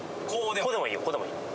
「こ」でもいい？